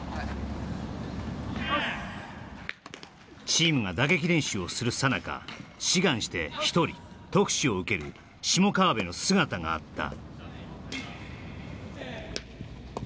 チームが打撃練習をするさなか志願して一人特守を受ける下川邊の姿があった